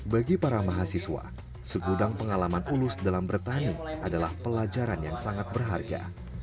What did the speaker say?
bagi para mahasiswa segudang pengalaman ulus dalam bertani adalah pelajaran yang sangat berharga